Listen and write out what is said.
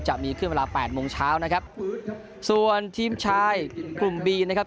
จะมีขึ้นเวลาแปดโมงเช้านะครับส่วนทีมชายกลุ่มบีนะครับ